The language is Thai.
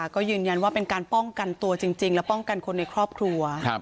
ก็ยืนยันว่าเป็นการป้องกันตัวจริงและป้องกันคนในครอบครัว